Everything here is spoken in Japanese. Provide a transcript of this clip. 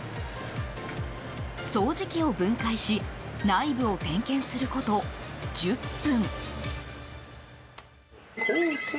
掃除機を分解し内部を点検すること１０分。